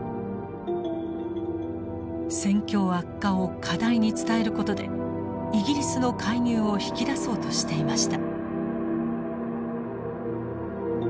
戦況悪化を過大に伝えることでイギリスの介入を引き出そうとしていました。